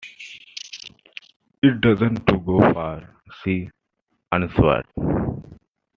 “It doesn’t go far,” she answered.